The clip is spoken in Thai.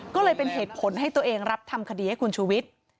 ก็เลยเป็นเหตุผลให้ตัวเองรับทำคดีให้คุณชูวิทย์